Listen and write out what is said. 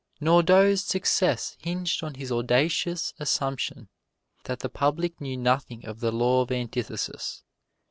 Nordau's success hinged on his audacious assumption that the public knew nothing of the Law of Antithesis.